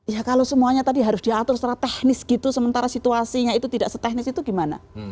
ya kalau semuanya tadi harus diatur secara teknis gitu sementara situasinya itu tidak setehnis itu gimana